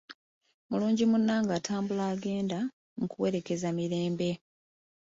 Mulungi munnange atambula agenda, nkuwereekereza mirembe